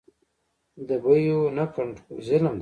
د بیو نه کنټرول ظلم دی.